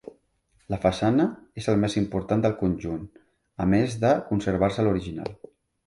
La façana és el més important del conjunt, a més de conservar-se l'original.